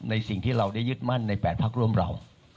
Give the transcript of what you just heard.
สิ่งที่เราได้ยึดมั่นใน๘พักร่วมเรา